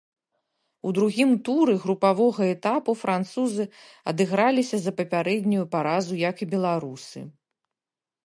У другім туры групавога этапу французы адыграліся за папярэднюю паразу, як і беларусы.